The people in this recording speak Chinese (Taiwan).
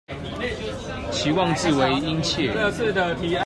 期望至為殷切